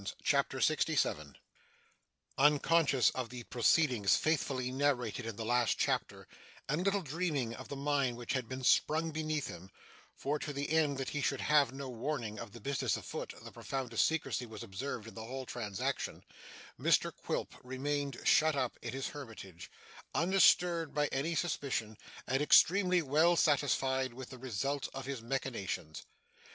CHAPTER 67 Unconscious of the proceedings faithfully narrated in the last chapter, and little dreaming of the mine which had been sprung beneath him (for, to the end that he should have no warning of the business a foot, the profoundest secrecy was observed in the whole transaction), Mr Quilp remained shut up in his hermitage, undisturbed by any suspicion, and extremely well satisfied with the result of his machinations.